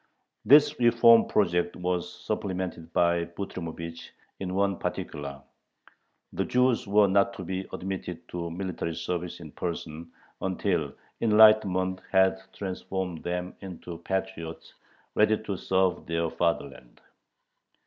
This reform project was supplemented by Butrymovich in one particular: the Jews were not to be admitted to military service in person, until enlightenment had transformed them into patriots ready to serve their fatherland.